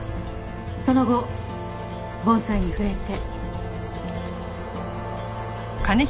その後盆栽に触れて。